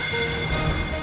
kalau kamu nunggu